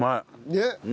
ねっ！